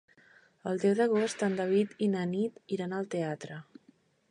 El deu d'agost en David i na Nit iran al teatre.